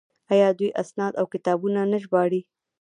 آیا دوی اسناد او کتابونه نه ژباړي؟